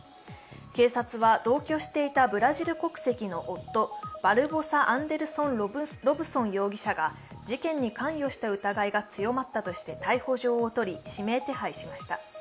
警察は同居していたブラジル国籍の夫、バルボサ・アンデルソン・ロブソン容疑者が事件に関与した疑いが強まったとして逮捕状を取り指名手配しました。